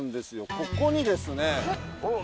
ここにですね。